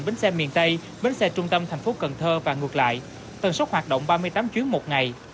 bến xe miền tây bến xe trung tâm thành phố cần thơ và ngược lại tần sốc hoạt động ba mươi tám chuyến một ngày